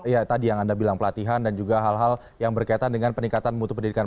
ya tadi yang anda bilang pelatihan dan juga hal hal yang berkaitan dengan peningkatan mutu pendidikan